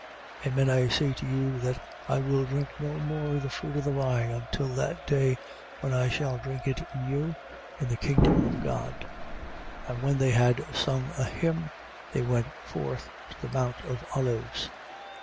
14:25. Amen I say to you that I will drink no more of the fruit of the vine until that day when I shall drink it new in the kingdom of God. 14:26. And when they had sung an hymn, they went forth to the mount of Olives.